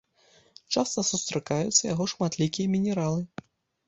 Часта сустракаюцца яго шматлікія мінералы.